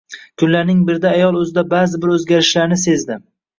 Kunlarning birida ayol o`zida ba`zi bir o`zgarishlarni sezdi